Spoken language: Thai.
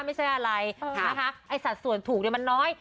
ไม่ใช่อะไรนะคะสัตว์ถูกเลยมันน้อย